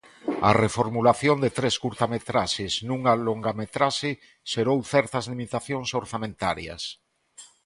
A reformulación de tres curtametraxes nunha longametraxe xerou certas limitacións orzamentarias.